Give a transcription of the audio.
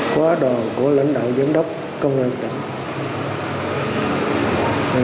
quá đồn của lãnh đạo giám đốc công an tỉnh